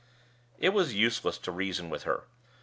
It was useless to reason with her.